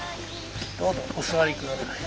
どうぞお座りください。